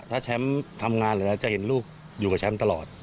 ถ้าแชมป์ทำงานเหลือจะเห็นลูกอยู่กับแชมป์ตลอด